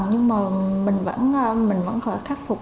nhưng mà mình vẫn khắc phục